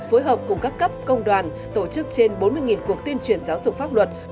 phối hợp cùng các cấp công đoàn tổ chức trên bốn mươi cuộc tuyên truyền giáo dục pháp luật